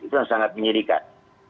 itu yang sangat menyedihkan